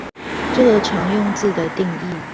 這個常用字的定義